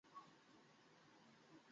তাড়াতাড়ি কর, মেলোডি।